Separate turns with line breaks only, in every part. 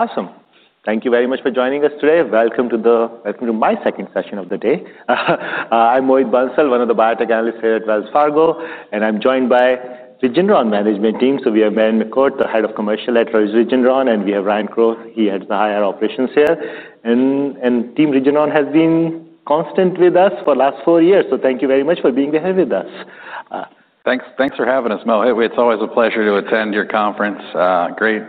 Awesome. Thank you very much for joining us today. Welcome to my second session of the day. I'm Mohit Bansal, one of the biotech analysts here at Wells Fargo, and I'm joined by the Regeneron management team. We have Marion McCourt, the Head of Commercial at Regeneron, and Ryan Crowe. He heads Investor Relations. Team Regeneron has been consistent with us for the last four years, so thank you very much for being here with us.
Thanks, thanks for having us, Mohit. It's always a pleasure to attend your conference. Great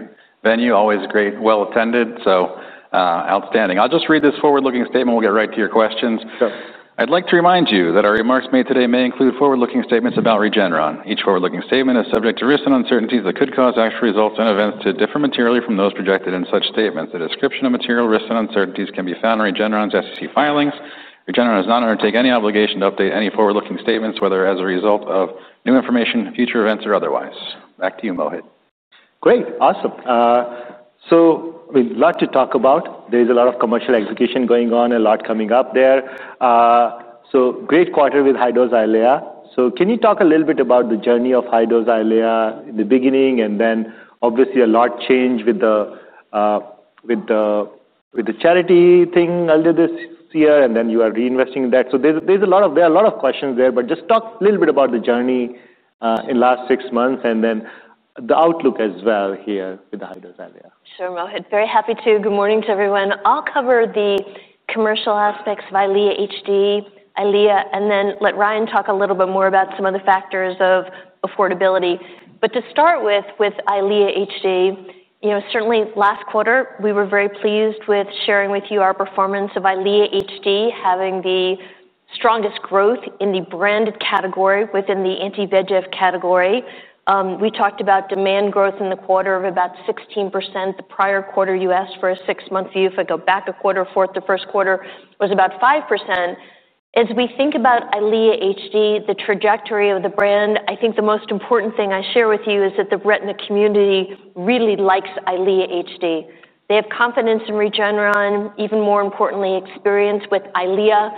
venue, always great, well attended, so outstanding. I'll just read this forward-looking statement, we'll get right to your questions.
Sure.
I'd like to remind you that our remarks made today may include forward-looking statements about Regeneron. Each forward-looking statement is subject to risks and uncertainties that could cause actual results and events to differ materially from those projected in such statements. A description of material risks and uncertainties can be found in Regeneron's SEC filings. Regeneron does not undertake any obligation to update any forward-looking statements, whether as a result of new information, future events, or otherwise. Back to you, Mohit.
Great, awesome. So we'd like to talk about there's a lot of commercial execution going on, a lot coming up there. So great quarter with high-dose EYLEA. So can you talk a little bit about the journey of high-dose EYLEA, the beginning, and then obviously a lot changed with the shortage thing earlier this year, and then you are reinvesting in that. So there's a lot of... There are a lot of questions there, but just talk a little bit about the journey in last six months and then the outlook as well here with the high-dose EYLEA.
Sure, Mohit. Very happy to. Good morning to everyone. I'll cover the commercial aspects of EYLEA HD, EYLEA, and then let Ryan talk a little bit more about some of the factors of affordability. But to start with, with EYLEA HD, you know, certainly last quarter, we were very pleased with sharing with you our performance of EYLEA HD, having the strongest growth in the branded category within the anti-VEGF category. We talked about demand growth in the quarter of about 16%, the prior quarter U.S. for a six-month view. If I go back a quarter, fourth to first quarter was about 5%. As we think about EYLEA HD, the trajectory of the brand, I think the most important thing I share with you is that the retina community really likes EYLEA HD. They have confidence in Regeneron, even more importantly, experience with EYLEA.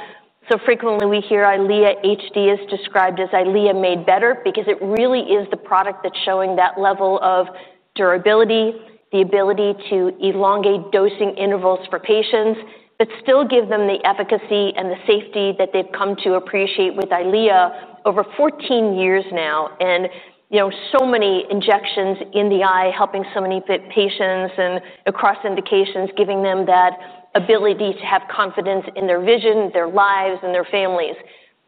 So frequently, we hear EYLEA HD is described as EYLEA made better because it really is the product that's showing that level of durability, the ability to elongate dosing intervals for patients, but still give them the efficacy and the safety that they've come to appreciate with EYLEA over fourteen years now. And, you know, so many injections in the eye, helping so many patients and across indications, giving them that ability to have confidence in their vision, their lives, and their families.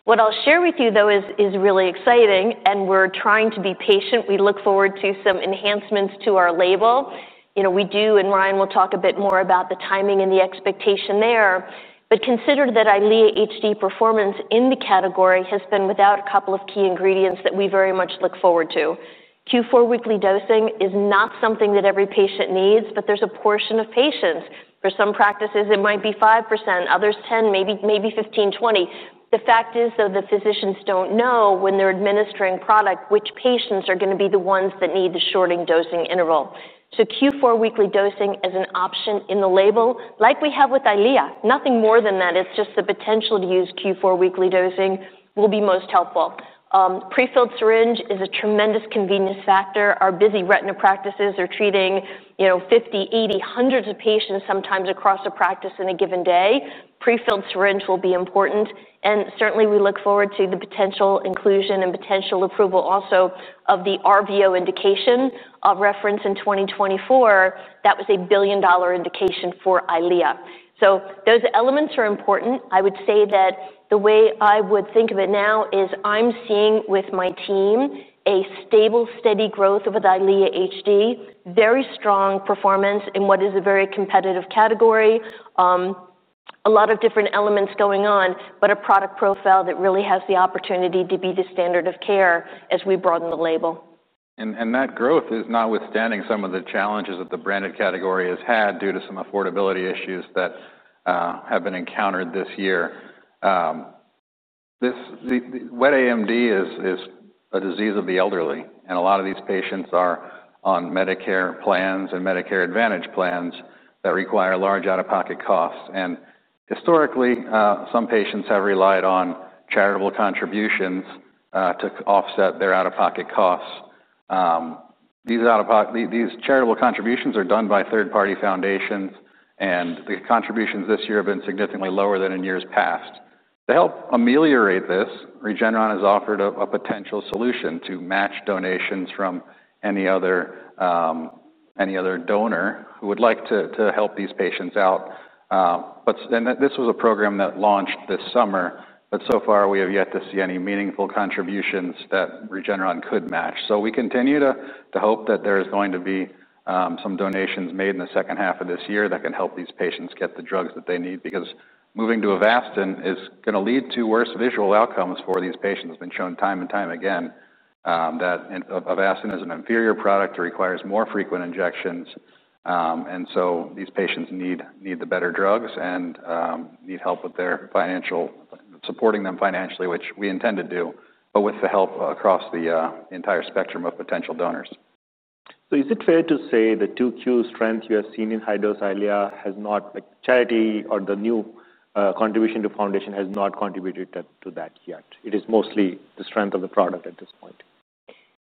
What I'll share with you, though, is really exciting and we're trying to be patient. We look forward to some enhancements to our label. You know, we do, and Ryan will talk a bit more about the timing and the expectation there, but consider that EYLEA HD performance in the category has been without a couple of key ingredients that we very much look forward to. Q4 weekly dosing is not something that every patient needs, but there's a portion of patients. For some practices, it might be 5%, others, 10%, maybe, maybe 15%, 20%. The fact is, though, the physicians don't know when they're administering product, which patients are gonna be the ones that need the shorter dosing interval. So Q4 weekly dosing is an option in the label, like we have with EYLEA. Nothing more than that. It's just the potential to use Q4 weekly dosing will be most helpful. Prefilled syringe is a tremendous convenience factor. Our busy retina practices are treating, you know, 50, 80, 100s of patients, sometimes across a practice in a given day. Prefilled syringe will be important, and certainly, we look forward to the potential inclusion and potential approval also of the RVO indication of reference in 2024. That was a $1 billion indication for EYLEA. So those elements are important. I would say that the way I would think of it now is I'm seeing with my team a stable, steady growth of EYLEA HD, very strong performance in what is a very competitive category. A lot of different elements going on, but a product profile that really has the opportunity to be the standard of care as we broaden the label.
That growth is notwithstanding some of the challenges that the branded category has had due to some affordability issues that have been encountered this year. The wet AMD is a disease of the elderly, and a lot of these patients are on Medicare plans and Medicare Advantage plans that require large out-of-pocket costs. Historically, some patients have relied on charitable contributions to offset their out-of-pocket costs. These charitable contributions are done by third-party foundations, and the contributions this year have been significantly lower than in years past. To help ameliorate this, Regeneron has offered a potential solution to match donations from any other donor who would like to help these patients out. But and this was a program that launched this summer, but so far, we have yet to see any meaningful contributions that Regeneron could match. So we continue to hope that there is going to be some donations made in the second half of this year that can help these patients get the drugs that they need, because moving to Avastin is gonna lead to worse visual outcomes for these patients. It's been shown time and time again that Avastin is an inferior product that requires more frequent injections. And so these patients need the better drugs and need help with supporting them financially, which we intend to do, but with the help across the entire spectrum of potential donors.
Is it fair to say the 2Q strength you have seen in high-dose EYLEA has not, like, carried over or the new formulation has not contributed to that yet? It is mostly the strength of the product at this point.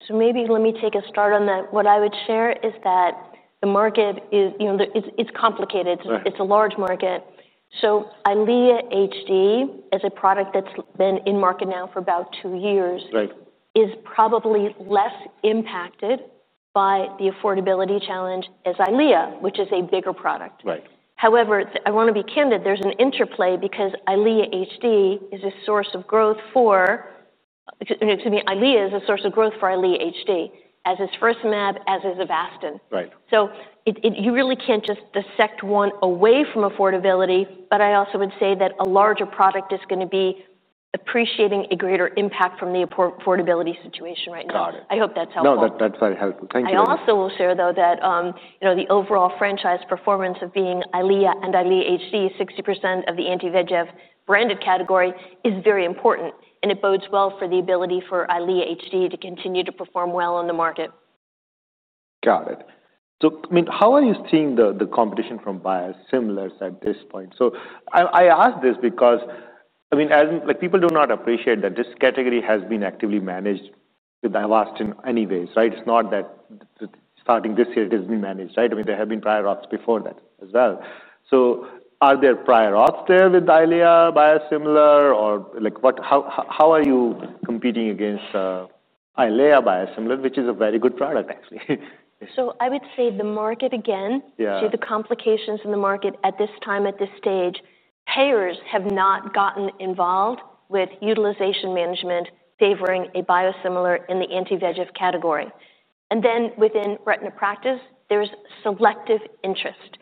So maybe let me take a start on that. What I would share is that the market is, you know, it's, it's complicated.
Right.
It's a large market. So EYLEA HD, as a product that's been in market now for about two years-
Right.
Is probably less impacted by the affordability challenge as EYLEA, which is a bigger product.
Right.
However, I wanna be candid, there's an interplay because EYLEA HD is a source of growth for... Excuse me, EYLEA is a source of growth for EYLEA HD, as is Vabysmo, as is Avastin.
Right.
You really can't just dissect one away from affordability, but I also would say that a larger product is gonna be appreciating a greater impact from the affordability situation right now.
Got it.
I hope that's helpful.
No, that's very helpful. Thank you.
I also will share, though, that, you know, the overall franchise performance of EYLEA and EYLEA HD, 60% of the anti-VEGF branded category, is very important, and it bodes well for the ability for EYLEA HD to continue to perform well in the market.
Got it. So, I mean, how are you seeing the competition from biosimilars at this point? So I ask this because, I mean, as... Like, people do not appreciate that this category has been actively managed with Avastin anyways, right? It's not that starting this year, it has been managed, right? I mean, there have been prior ops before that as well. So are there prior ops there with EYLEA biosimilar? Or, like, what... How are you competing against EYLEA biosimilar, which is a very good product, actually?
I would say the market, again.
Yeah.
Due to complications in the market at this time, at this stage, payers have not gotten involved with utilization management favoring a biosimilar in the anti-VEGF category. And then within retina practice, there's selective interest.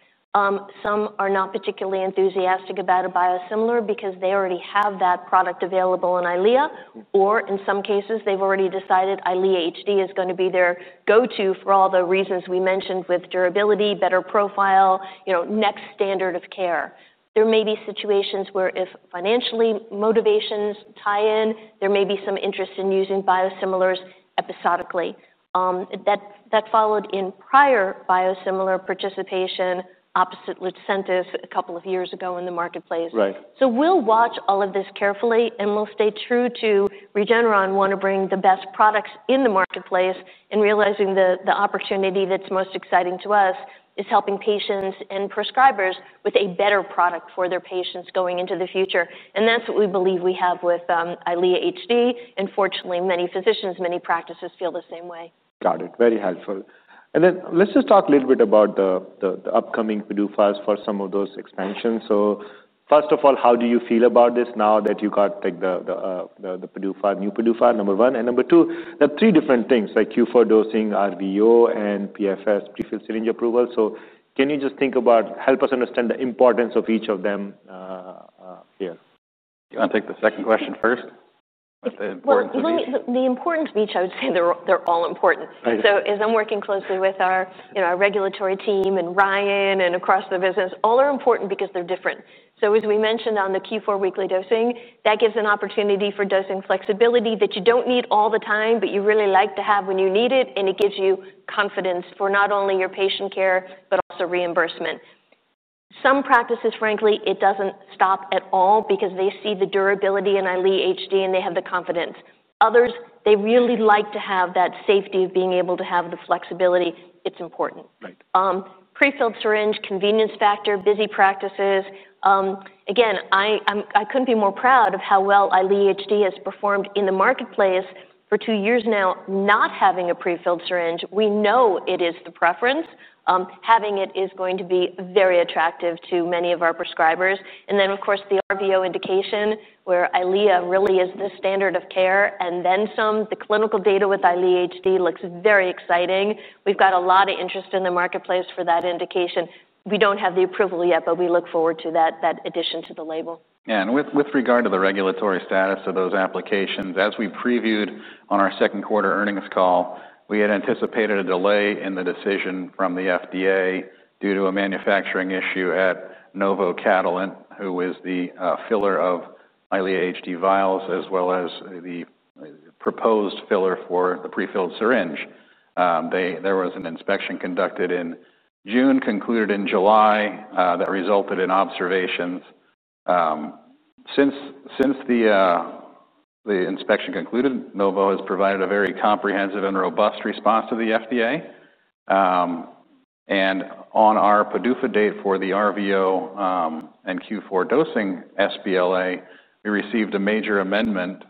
Some are not particularly enthusiastic about a biosimilar because they already have that product available in EYLEA, or in some cases, they've already decided EYLEA HD is gonna be their go-to for all the reasons we mentioned with durability, better profile, you know, next standard of care. There may be situations where if financial motivations tie in, there may be some interest in using biosimilars episodically. That followed in prior biosimilar participation opposite Lucentis a couple of years ago in the marketplace.
Right.
So we'll watch all of this carefully, and we'll stay true to Regeneron, wanna bring the best products in the marketplace, and realizing the opportunity that's most exciting to us is helping patients and prescribers with a better product for their patients going into the future, and that's what we believe we have with EYLEA HD. And fortunately, many physicians, many practices feel the same way.
Got it. Very helpful. And then let's just talk a little bit about the upcoming PDUFAs for some of those expansions. So first of all, how do you feel about this now that you got, like, the PDUFA, new PDUFA, number one? And number two, there are three different things, like Q4 dosing, RVO, and PFS, prefilled syringe approval. So can you just think about... Help us understand the importance of each of them here.
You want to take the second question first, about the importance of each?
The importance of each, I would say, they're all important. So as I'm working closely with our, you know, our regulatory team and Ryan and across the business, all are important because they're different. So as we mentioned on the Q4 weekly dosing, that gives an opportunity for dosing flexibility that you don't need all the time, but you really like to have when you need it, and it gives you confidence for not only your patient care, but also reimbursement. Some practices, frankly, it doesn't stop at all because they see the durability in EYLEA HD, and they have the confidence. Others, they really like to have that safety of being able to have the flexibility. It's important.
Right.
Prefilled syringe, convenience factor, busy practices. Again, I couldn't be more proud of how well EYLEA HD has performed in the marketplace for two years now, not having a prefilled syringe. We know it is the preference. Having it is going to be very attractive to many of our prescribers. And then, of course, the RVO indication, where EYLEA really is the standard of care, and then some, the clinical data with EYLEA HD looks very exciting. We've got a lot of interest in the marketplace for that indication. We don't have the approval yet, but we look forward to that addition to the label.
Yeah, and with regard to the regulatory status of those applications, as we previewed on our second quarter earnings call, we had anticipated a delay in the decision from the FDA due to a manufacturing issue at Novo, Catalent, who is the filler of EYLEA HD vials, as well as the proposed filler for the prefilled syringe. There was an inspection conducted in June, concluded in July, that resulted in observations. Since the inspection concluded, Novo has provided a very comprehensive and robust response to the FDA. And on our PDUFA date for the RVO, and Q4 dosing sBLA, we received a major amendment,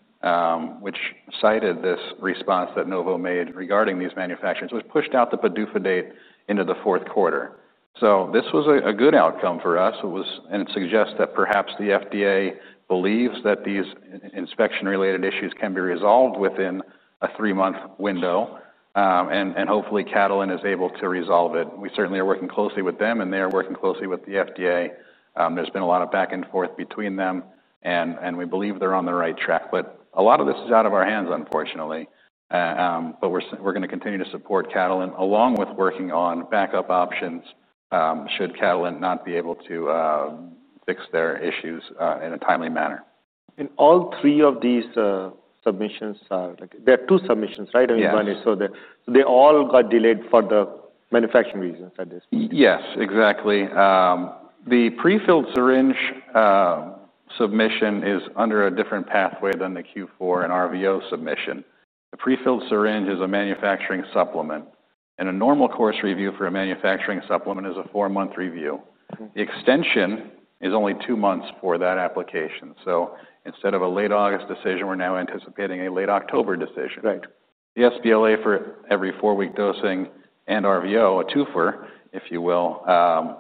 which cited this response that Novo made regarding these manufacturers, which pushed out the PDUFA date into the fourth quarter. So this was a good outcome for us. It suggests that perhaps the FDA believes that these inspection-related issues can be resolved within a three-month window, and hopefully, Catalent is able to resolve it. We certainly are working closely with them, and they are working closely with the FDA. There's been a lot of back and forth between them and we believe they're on the right track. But a lot of this is out of our hands, unfortunately. But we're gonna continue to support Catalent, along with working on backup options, should Catalent not be able to fix their issues in a timely manner.
And all three of these submissions are... There are two submissions, right?
Yes.
I mean, one is so that they all got delayed for the manufacturing reasons at this point.
Yes, exactly. The prefilled syringe submission is under a different pathway than the Q4 and RVO submission. The prefilled syringe is a manufacturing supplement, and a normal course review for a manufacturing supplement is a four-month review. The extension is only two months for that application. So instead of a late August decision, we're now anticipating a late October decision. The sBLA for every four-week dosing and RVO, a twofer, if you will,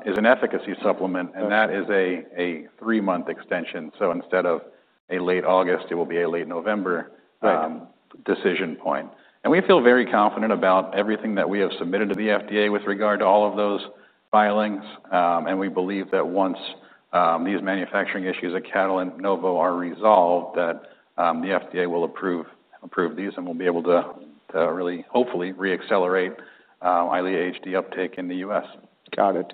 is an efficacy supplement and that is a three-month extension. So instead of a late August, it will be a late November decision point. And we feel very confident about everything that we have submitted to the FDA with regard to all of those filings. And we believe that once these manufacturing issues at Catalent and Novo are resolved, that the FDA will approve these, and we'll be able to really, hopefully, re-accelerate EYLEA HD uptake in the U.S.
Got it.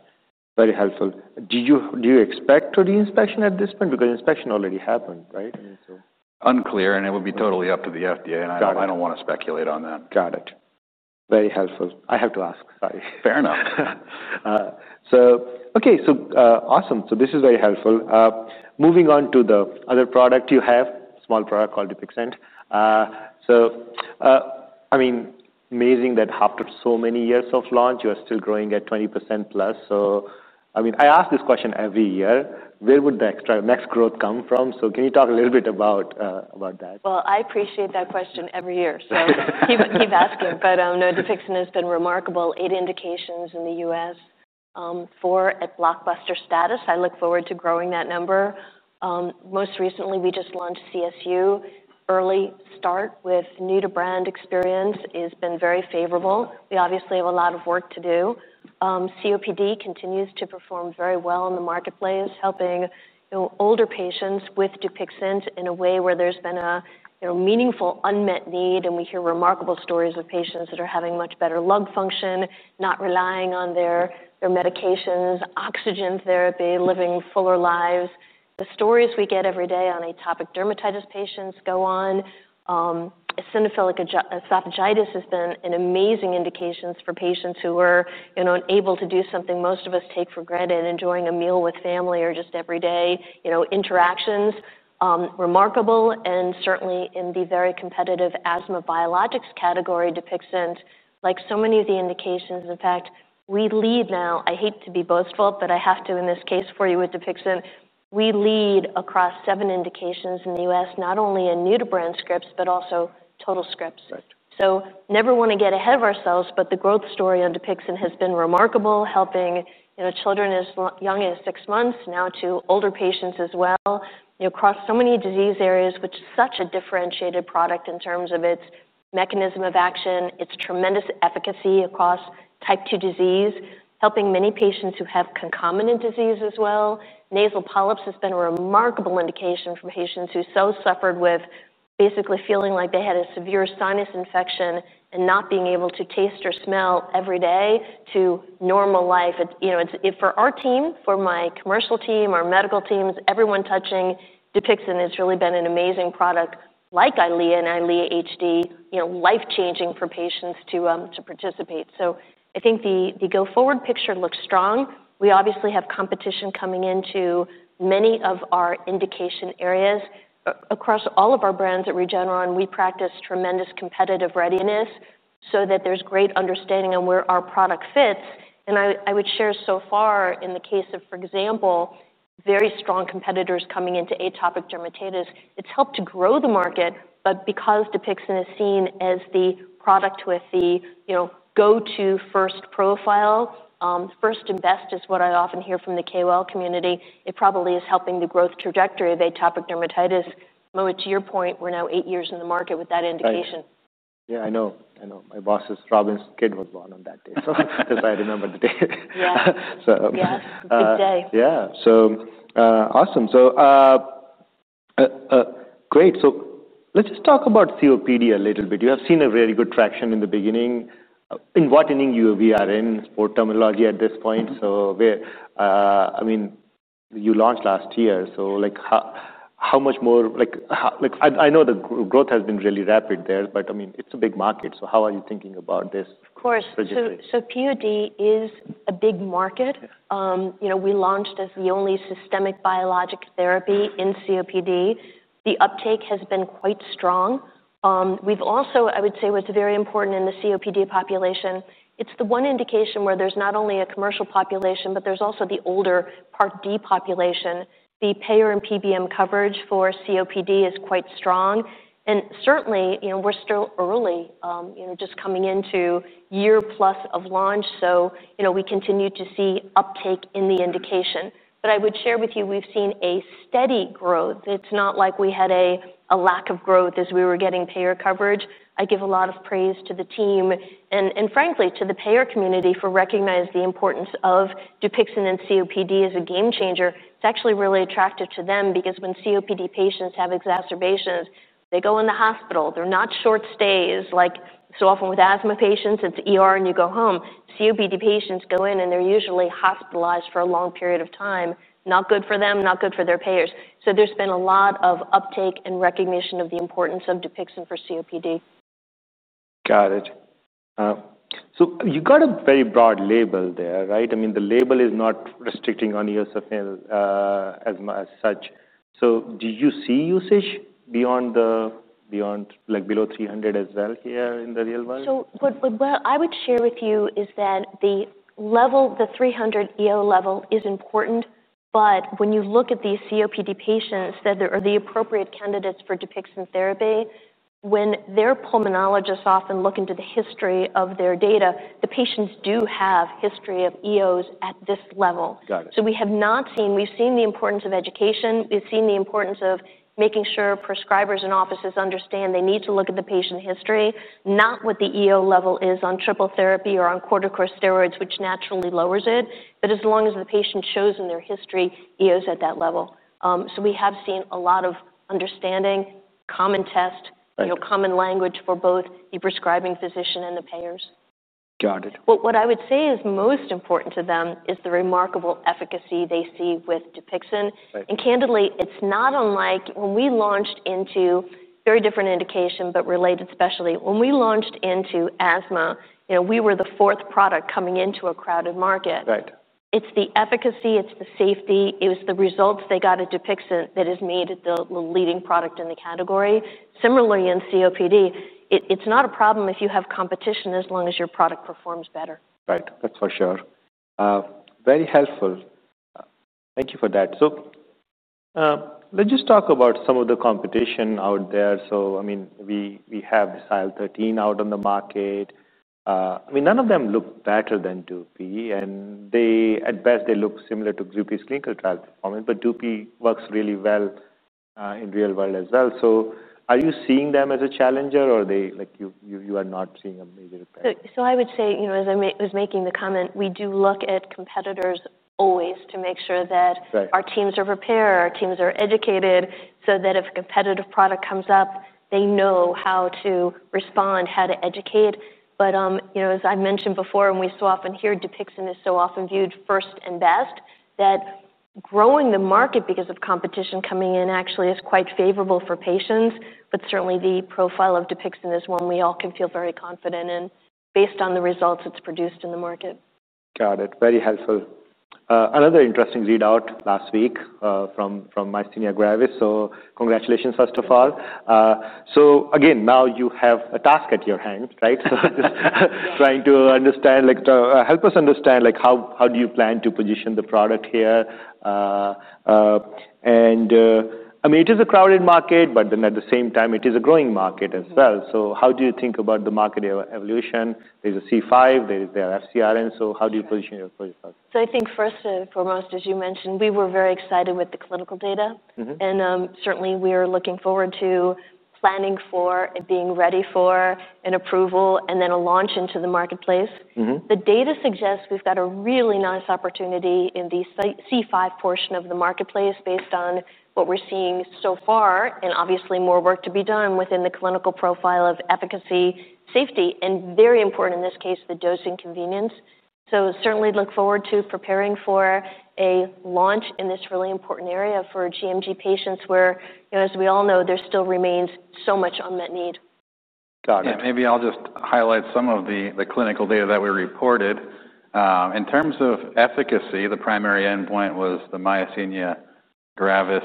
Very helpful. Do you, do you expect to re-inspection at this point? Because inspection already happened, right? So...
Unclear, and it would be totally up to the FDA-and I don't wanna speculate on that.
Got it. Very helpful. I have to ask, sorry.
Fair enough.
Okay. Awesome. So this is very helpful. Moving on to the other product you have, small product called Dupixent. I mean, amazing that after so many years of launch, you are still growing at 20%+. I mean, I ask this question every year: Where would the extra... next growth come from? Can you talk a little bit about that?
I appreciate that question every year. Keep asking. No, Dupixent has been remarkable. Eight indications in the U.S., four at blockbuster status. I look forward to growing that number. Most recently, we just launched CSU. Early start with new-to-brand experience has been very favorable. We obviously have a lot of work to do. COPD continues to perform very well in the marketplace, helping, you know, older patients with Dupixent in a way where there's been a you know meaningful unmet need, and we hear remarkable stories of patients that are having much better lung function, not relying on their medications, oxygen therapy, living fuller lives. The stories we get every day on atopic dermatitis patients go on. Eosinophilic esophagitis has been an amazing indications for patients who were, you know, unable to do something most of us take for granted, enjoying a meal with family or just every day, you know, interactions. Remarkable and certainly in the very competitive asthma biologics category, Dupixent, like so many of the indications, in fact, we lead now... I hate to be boastful, but I have to in this case for you with Dupixent. We lead across seven indications in the U.S., not only in new-to-brand scripts, but also total scripts. So never wanna get ahead of ourselves, but the growth story on Dupixent has been remarkable, helping, you know, children as young as six months now to older patients as well, you know, across so many disease areas, which is such a differentiated product in terms of its mechanism of action, its tremendous efficacy across type two disease, helping many patients who have concomitant disease as well. Nasal polyps has been a remarkable indication for patients who so suffered with basically feeling like they had a severe sinus infection and not being able to taste or smell every day to normal life. It, you know, it's. For our team, for my commercial team, our medical teams, everyone touching Dupixent, it's really been an amazing product, like EYLEA and EYLEA HD, you know, life-changing for patients to participate. So I think the go-forward picture looks strong. We obviously have competition coming into many of our indication areas. Across all of our brands at Regeneron, we practice tremendous competitive readiness so that there's great understanding on where our product fits. And I would share so far in the case of, for example, very strong competitors coming into atopic dermatitis, it's helped to grow the market. But because Dupixent is seen as the product with the, you know, go-to first profile, first and best is what I often hear from the KOL community. It probably is helping the growth trajectory of atopic dermatitis. Mo, to your point, we're now eight years in the market with that indication.
Right. Yeah, I know. I know. My boss's, Robin's kid was born on that day, so that's why I remember the day.
Yeah.
So, um-
Yeah, good day.
Yeah. So, awesome. So, great. So let's just talk about COPD a little bit. You have seen a very good traction in the beginning. In what inning are we in, or terminology at this point? So where, I mean, you launched last year, so like, how much more? Like, how, I know the growth has been really rapid there, but, I mean, it's a big market, so how are you thinking about this trajectory.
Of course. COPD is a big market. You know, we launched as the only systemic biologic therapy in COPD. The uptake has been quite strong. We've also. I would say what's very important in the COPD population, it's the one indication where there's not only a commercial population, but there's also the older Part D population. The payer and PBM coverage for COPD is quite strong, and certainly, you know, we're still early, you know, just coming into year plus of launch. So, you know, we continue to see uptake in the indication. But I would share with you, we've seen a steady growth. It's not like we had a lack of growth as we were getting payer coverage. I give a lot of praise to the team and frankly, to the payer community for recognizing the importance of Dupixent in COPD as a game changer. It's actually really attractive to them because when COPD patients have exacerbations, they go in the hospital. They're not short stays, like so often with asthma patients, it's ER, and you go home. COPD patients go in, and they're usually hospitalized for a long period of time. Not good for them, not good for their payers. So there's been a lot of uptake and recognition of the importance of Dupixent for COPD.
Got it. So you got a very broad label there, right? I mean, the label is not restricting on eosinophilic asthma as such. So do you see usage beyond, like, below three hundred as well here in the real world?
What I would share with you is that the level, the 300 EO level, is important. But when you look at these COPD patients, that they are the appropriate candidates for Dupixent therapy, when their pulmonologists often look into the history of their data, the patients do have history of EOs at this level.
Got it.
So we have not seen... We've seen the importance of education. We've seen the importance of making sure prescribers and offices understand they need to look at the patient history, not what the EO level is on triple therapy or on corticosteroid, which naturally lowers it, but as long as the patient shows in their history, EOs at that level. So we have seen a lot of understanding, common test, you know, common language for both the prescribing physician and the payers.
Got it.
But what I would say is most important to them is the remarkable efficacy they see with Dupixent.
Right.
Candidly, it's not unlike when we launched into very different indication, but related specialty. When we launched into asthma, you know, we were the fourth product coming into a crowded market.
Right.
It's the efficacy, it's the safety, it was the results they got at Dupixent that has made it the leading product in the category. Similarly, in COPD, it's not a problem if you have competition as long as your product performs better.
Right. That's for sure. Very helpful. Thank you for that. So, let's just talk about some of the competition out there. So, I mean, we have IL-13 out on the market. I mean, none of them look better than Dupi, and they... At best, they look similar to Dupixent clinical trial performance, but Dupi works really well, in real world as well. So are you seeing them as a challenger, or they, like, you are not seeing them as a threat?
So, I would say, you know, as I was making the comment, we do look at competitors always to make sure that our teams are prepared, our teams are educated, so that if a competitive product comes up, they know how to respond, how to educate. But, you know, as I've mentioned before, and we so often hear, Dupixent is so often viewed first and best, that growing the market because of competition coming in actually is quite favorable for patients. But certainly, the profile of Dupixent is one we all can feel very confident in based on the results it's produced in the market.
Got it. Very helpful. Another interesting readout last week from myasthenia gravis. So congratulations, first of all. So again, now you have a task at your hand, right? Trying to understand, like, help us understand, like, how do you plan to position the product here? And, I mean, it is a crowded market, but then at the same time, it is a growing market as well. How do you think about the market evolution? There's a C5, there is the FCRN, so how do you position your product?
So I think first and foremost, as you mentioned, we were very excited with the clinical data and certainly, we are looking forward to planning for and being ready for an approval and then a launch into the marketplace. The data suggests we've got a really nice opportunity in the C5 portion of the marketplace, based on what we're seeing so far, and obviously, more work to be done within the clinical profile of efficacy, safety, and very important in this case, the dosing convenience. So certainly look forward to preparing for a launch in this really important area for gMG patients, where, you know, as we all know, there still remains so much unmet need.
Got it.
Yeah, maybe I'll just highlight some of the clinical data that we reported. In terms of efficacy, the primary endpoint was the myasthenia gravis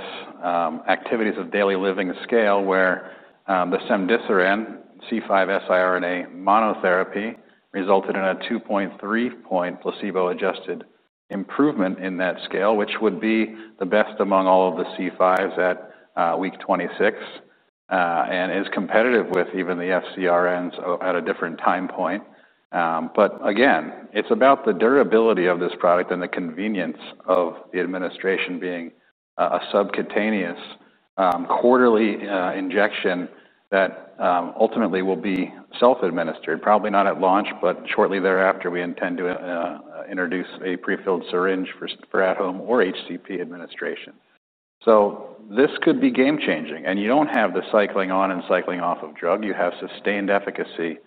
activities of daily living scale, where the cemdisiran, C5 siRNA monotherapy, resulted in a 2.3-point placebo-adjusted improvement in that scale, which would be the best among all of the C5s at week 26, and is competitive with even the FCRNs at a different time point, but again, it's about the durability of this product and the convenience of the administration being a subcutaneous quarterly injection that ultimately will be self-administered. Probably not at launch, but shortly thereafter, we intend to introduce a prefilled syringe for at-home or HCP administration, so this could be game-changing, and you don't have the cycling on and cycling off of drug. You have sustained efficacy,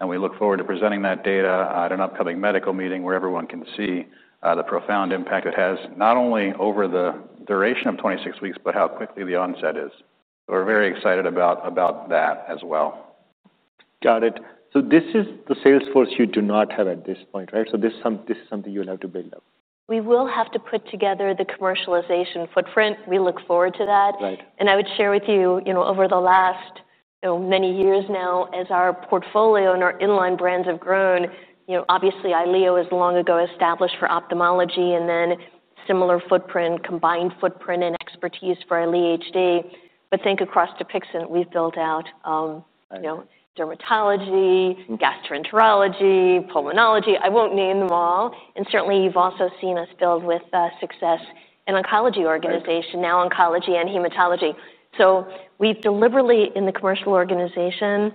and we look forward to presenting that data at an upcoming medical meeting where everyone can see the profound impact it has, not only over the duration of twenty-six weeks, but how quickly the onset is. We're very excited about that as well.
Got it. So this is the sales force you do not have at this point, right? So this is something you'll have to build up.
We will have to put together the commercialization footprint. We look forward to that.
Right.
I would share with you, you know, over the last, you know, many years now, as our portfolio and our in-line brands have grown, you know, obviously, EYLEA was long ago established for ophthalmology and then similar footprint, combined footprint and expertise for EYLEA HD. But think across Dupixent, we've built out, you know, dermatology, gastroenterology, pulmonology. I won't name them all, and certainly, you've also seen us build with success in oncology organization, now oncology and hematology. So we've deliberately, in the commercial organization,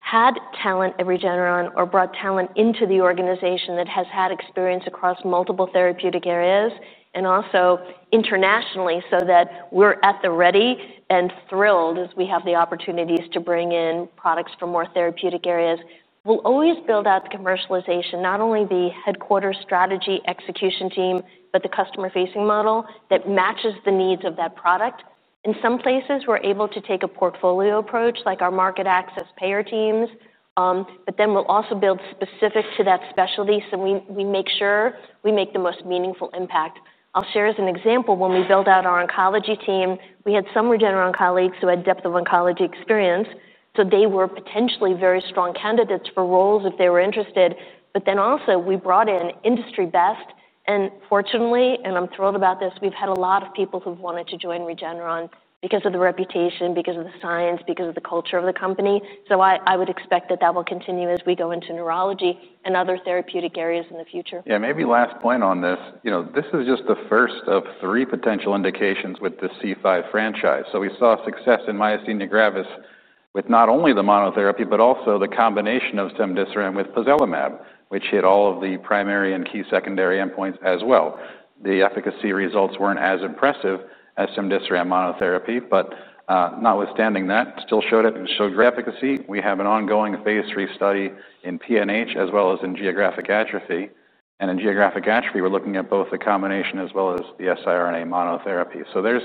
had talent at Regeneron or brought talent into the organization that has had experience across multiple therapeutic areas and also internationally, so that we're at the ready and thrilled as we have the opportunities to bring in products from more therapeutic areas. We'll always build out the commercialization, not only the headquarters strategy execution team, but the customer-facing model that matches the needs of that product.... In some places, we're able to take a portfolio approach, like our market access payer teams, but then we'll also build specific to that specialty, so we make sure we make the most meaningful impact. I'll share as an example, when we build out our oncology team, we had some Regeneron colleagues who had depth of oncology experience, so they were potentially very strong candidates for roles if they were interested. But then also we brought in industry best, and fortunately, and I'm thrilled about this, we've had a lot of people who've wanted to join Regeneron because of the reputation, because of the science, because of the culture of the company. So I, I would expect that that will continue as we go into neurology and other therapeutic areas in the future.
Yeah, maybe last point on this, you know, this is just the first of three potential indications with the C5 franchise. So we saw success in myasthenia gravis with not only the monotherapy but also the combination of cemdisiran with pozelimab, which hit all of the primary and key secondary endpoints as well. The efficacy results weren't as impressive as cemdisiran monotherapy, but, notwithstanding that, still showed great efficacy. We have an ongoing Phase III study in PNH as well as in geographic atrophy, and in geographic atrophy, we're looking at both the combination as well as the siRNA monotherapy. So there's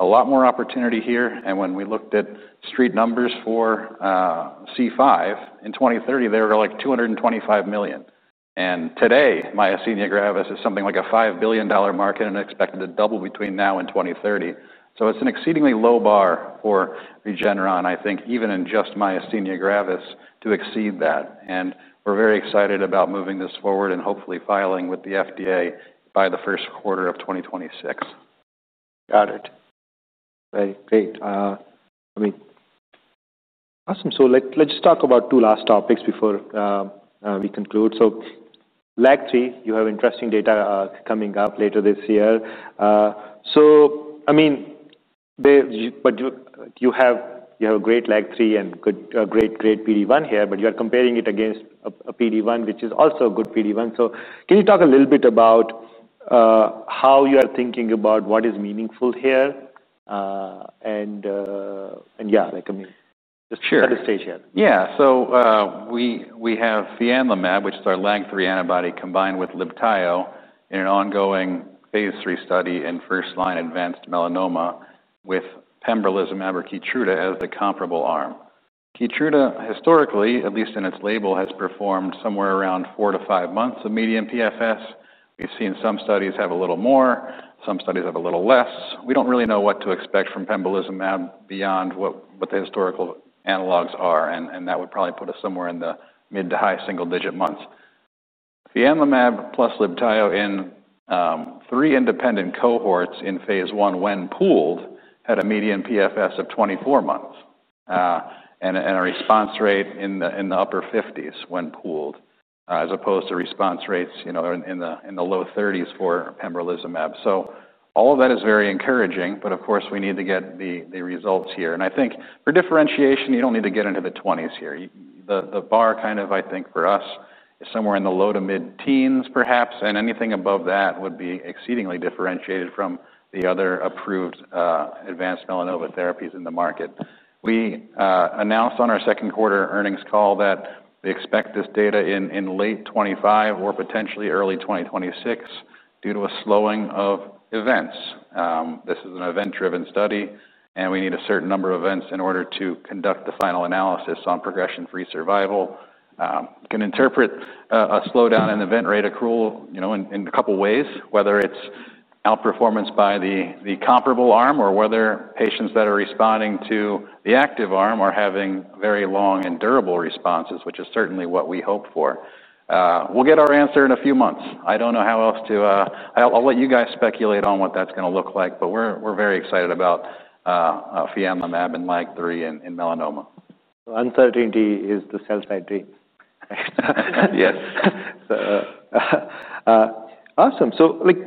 a lot more opportunity here, and when we looked at street numbers for C5, in 2030, they were like $225 million. Today, myasthenia gravis is something like a $5 billion market and expected to double between now and 2030. It's an exceedingly low bar for Regeneron, I think, even in just myasthenia gravis, to exceed that. We're very excited about moving this forward and hopefully filing with the FDA by the first quarter of 2026.
Got it. Very great. I mean, awesome. Let's talk about two last topics before we conclude. LAG-3, you have interesting data coming up later this year. I mean, they... But you have great LAG-3 and good, great PD-1 here, but you are comparing it against a PD-1, which is also a good PD-1. Can you talk a little bit about how you are thinking about what is meaningful here, and yeah, like, I mean, just-At this stage here.
Yeah. So, we have fianlimab, which is our LAG-3 antibody, combined with Libtayo in an ongoing Phase III study in first-line advanced melanoma with pembrolizumab or Keytruda as the comparable arm. Keytruda, historically, at least in its label, has performed somewhere around three to four months of median PFS. We've seen some studies have a little more, some studies have a little less. We don't really know what to expect from pembrolizumab beyond what the historical analogs are, and that would probably put us somewhere in the mid to high single digit months. Fianlimab plus Libtayo in three independent cohorts in Phase I, when pooled, had a median PFS of 24 months, and a response rate in the upper 50s when pooled, as opposed to response rates, you know, in the low 30s for pembrolizumab. So all of that is very encouraging, but of course, we need to get the results here. And I think for differentiation, you don't need to get into the twenties here. The bar kind of, I think, for us, is somewhere in the low to mid-teens perhaps, and anything above that would be exceedingly differentiated from the other approved advanced melanoma therapies in the market. We announced on our second quarter earnings call that we expect this data in late 2025 or potentially early 2026 due to a slowing of events. This is an event-driven study, and we need a certain number of events in order to conduct the final analysis on progression-free survival. Can interpret a slowdown in event rate accrual, you know, in a couple of ways, whether it's outperformance by the comparable arm or whether patients that are responding to the active arm are having very long and durable responses, which is certainly what we hope for. We'll get our answer in a few months. I don't know how else to. I'll let you guys speculate on what that's gonna look like, but we're very excited about fianlimab and LAG-3 in melanoma.
Uncertainty is the self-identity.
Yes.
So, awesome. So, like,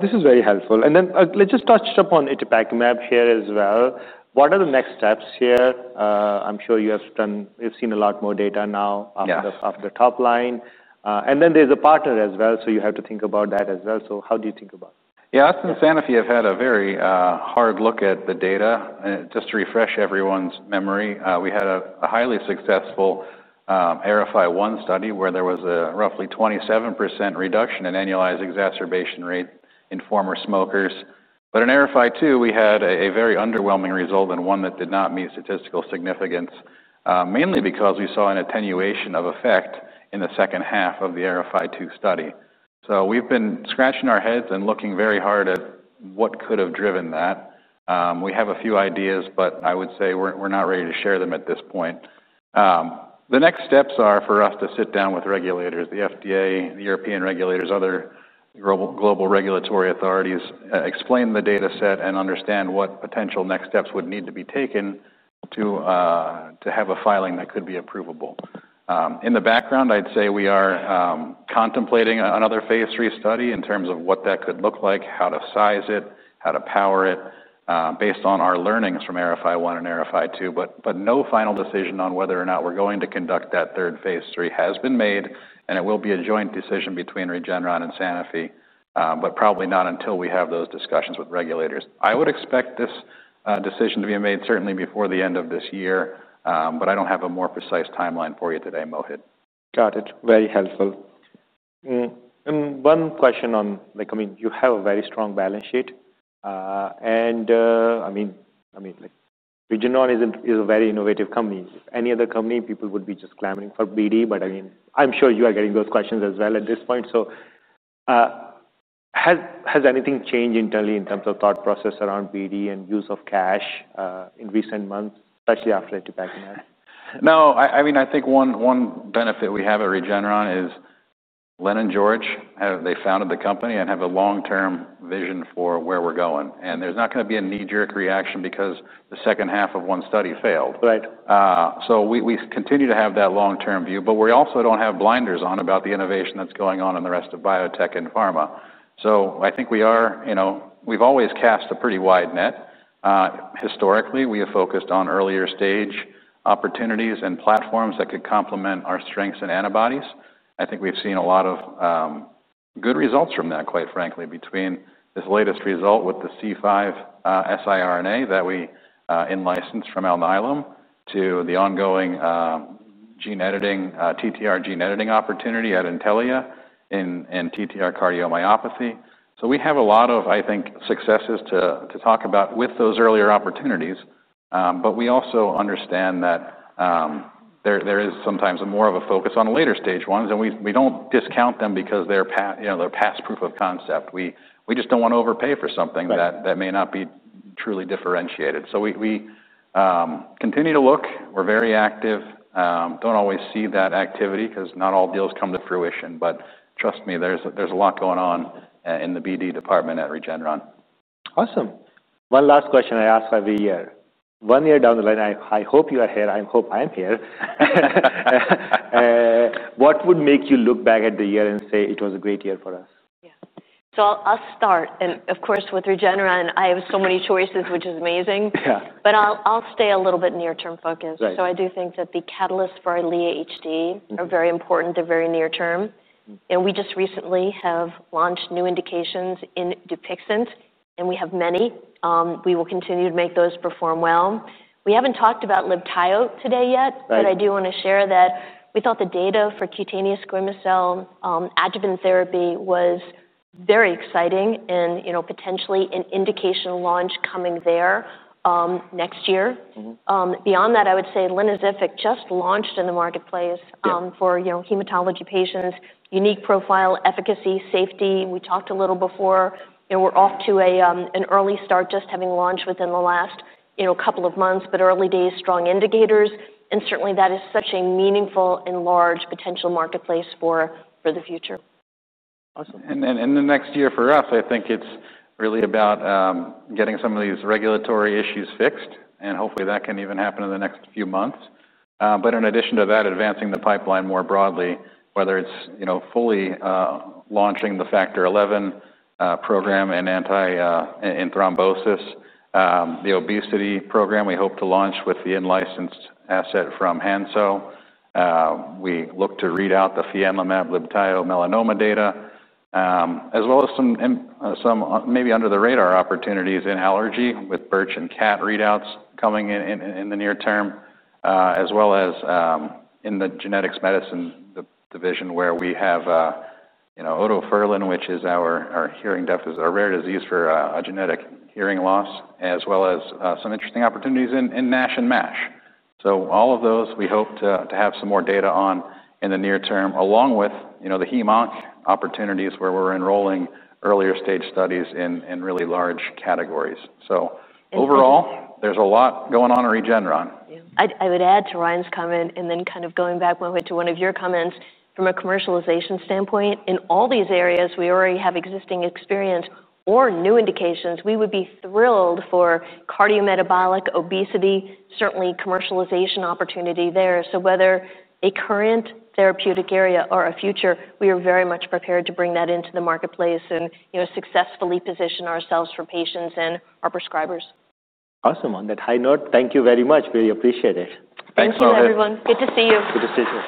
this is very helpful. And then, let's just touch upon itepekimab here as well. What are the next steps here? I'm sure you've seen a lot more data now after the top line. And then there's a partner as well, so you have to think about that as well. So how do you think about it?
Yeah, us and Sanofi have had a very hard look at the data. And just to refresh everyone's memory, we had a highly successful AERIFY-1 study where there was a roughly 27% reduction in annualized exacerbation rate in former smokers. But in AERIFY-2, we had a very underwhelming result and one that did not meet statistical significance, mainly because we saw an attenuation of effect in the second half of the AERIFY-2 study. So we've been scratching our heads and looking very hard at what could have driven that. We have a few ideas, but I would say we're not ready to share them at this point. The next steps are for us to sit down with regulators, the FDA, the European regulators, other global regulatory authorities, explain the data set, and understand what potential next steps would need to be taken to have a filing that could be approvable. In the background, I'd say we are contemplating another Phase III study in terms of what that could look like, how to size it, how to power it, based on our learnings from AERIFY-1 and AERIFY-2. No final decision on whether or not we're going to conduct that third Phase III has been made, and it will be a joint decision between Regeneron and Sanofi, but probably not until we have those discussions with regulators. I would expect this decision to be made certainly before the end of this year, but I don't have a more precise timeline for you today, Mohit.
Got it. Very helpful. And one question on, like, I mean, you have a very strong balance sheet. And, I mean, like, Regeneron is a very innovative company. Any other company, people would be just clamoring for BD, but, I mean, I'm sure you are getting those questions as well at this point. So, has anything changed internally in terms of thought process around BD and use of cash in recent months, especially after Dupixent?
No, I mean, I think one benefit we have at Regeneron is Len and George have they founded the company and have a long-term vision for where we're going, and there's not gonna be a knee-jerk reaction because the second half of one study failed. So we continue to have that long-term view, but we also don't have blinders on about the innovation that's going on in the rest of biotech and pharma. So I think we are, you know. We've always cast a pretty wide net. Historically, we have focused on earlier stage opportunities and platforms that could complement our strengths and antibodies. I think we've seen a lot of good results from that, quite frankly, between this latest result with the C5 siRNA that we in-licensed from Alnylam to the ongoing gene editing TTR gene editing opportunity at Intellia in TTR cardiomyopathy. So we have a lot of, I think, successes to talk about with those earlier opportunities. But we also understand that there is sometimes more of a focus on the later stage ones, and we don't discount them because they're, you know, past proof of concept. We just don't wanna overpay for something that may not be truly differentiated. So we continue to look. We're very active. Don't always see that activity 'cause not all deals come to fruition, but trust me, there's a lot going on in the BD department at Regeneron.
Awesome. One last question I ask every year. One year down the line, I hope you are here. I hope I'm here. What would make you look back at the year and say, "It was a great year for us?
Yeah. So I'll start, and of course, with Regeneron, I have so many choices, which is amazing but I'll stay a little bit near-term focused. So I do think that the catalysts for our EYLEA HD are very important. They're very near term, and we just recently have launched new indications in Dupixent, and we have many. We will continue to make those perform well. We haven't talked about Libtayo today yet but I do wanna share that we thought the data for cutaneous squamous cell, adjuvant therapy was very exciting and, you know, potentially an indication launch coming there, next year. Beyond that, I would say dinaciclib just launched in the marketplace for, you know, hematology patients. Unique profile, efficacy, safety. We talked a little before, and we're off to a, an early start, just having launched within the last, you know, couple of months, but early days, strong indicators, and certainly that is such a meaningful and large potential marketplace for the future.
Awesome.
And then, the next year for us, I think it's really about getting some of these regulatory issues fixed, and hopefully, that can even happen in the next few months. But in addition to that, advancing the pipeline more broadly, whether it's, you know, fully launching the factor XI program in anti-thrombosis. The obesity program, we hope to launch with the in-licensed asset from Hansoh. We look to read out the fianlimab Libtayo melanoma data, as well as some, maybe under the radar opportunities in allergy with birch and cat readouts coming in the near term. As well as in the genetics medicine division, where we have, you know, Otoferlin, which is our hearing deafness, a rare disease for a genetic hearing loss, as well as some interesting opportunities in NASH and MASH. So all of those, we hope to have some more data on in the near term, along with, you know, the hemonc opportunities, where we're enrolling earlier stage studies in really large categories. So overall there's a lot going on at Regeneron.
Yeah. I would add to Ryan's comment, and then kind of going back a little bit to one of your comments, from a commercialization standpoint, in all these areas, we already have existing experience or new indications. We would be thrilled for cardiometabolic, obesity, certainly commercialization opportunity there. So whether a current therapeutic area or a future, we are very much prepared to bring that into the marketplace and, you know, successfully position ourselves for patients and our prescribers.
Awesome. On that high note, thank you very much. Really appreciate it.
Thanks, everyone.
Thank you, everyone. Good to see you.
Good to see you too.